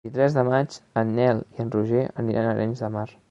El vint-i-tres de maig en Nel i en Roger aniran a Arenys de Mar.